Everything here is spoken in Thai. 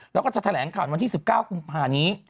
แล้วก็จะแถลงข่าววันที่๑๙กุมภานี้